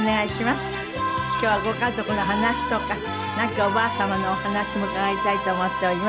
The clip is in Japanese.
今日はご家族の話とか亡きおばあ様のお話も伺いたいと思っております。